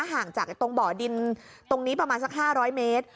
ห่างจากตรงตรงนี้ประมาณสักห้าร้อยเมตร